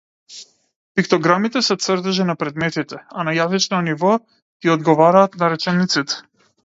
Пиктограмите се цртежи на предметите, а на јазично ниво тие одговараат на речениците.